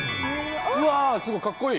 うわすごいかっこいい！